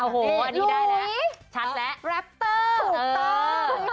อันนี้ได้นะชัดแล้วพี่หลุยรัปเตอร์ถูกต้อง